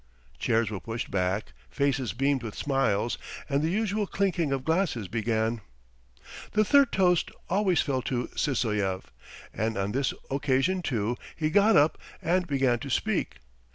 Chairs were pushed back, faces beamed with smiles, and the usual clinking of glasses began. The third toast always fell to Sysoev. And on this occasion, too, he got up and began to speak.